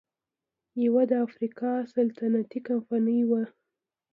یوه د افریقا سلطنتي کمپنۍ وه.